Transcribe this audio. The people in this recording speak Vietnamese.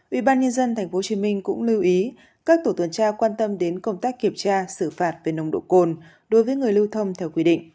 ủy ban nhân dân tp hcm cũng lưu ý các tổ tuần tra quan tâm đến công tác kiểm tra xử phạt về nông độ cồn đối với người lưu thông theo quy định